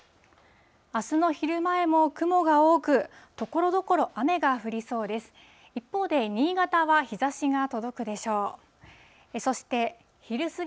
あすの昼前も雲が多く、ところどころ、雨が降りそうです。